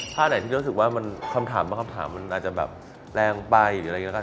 ถ้าไหนที่รู้สึกว่ามันคำถามบางคำถามมันอาจจะแบบแรงไปหรืออะไรอย่างนี้ก็ตาม